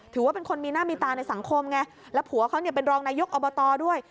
ถือว่าเป็นคนมีหน้ามีตาในสังคมไงแล้วผัวเขาเนี่ยเป็นรองนายกอบตด้วย